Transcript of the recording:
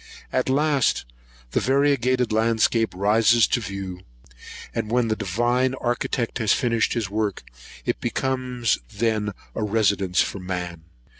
At last the variegated landscape rises to the view; and when the divine Architect has finished his work, it becomes then a residence for man.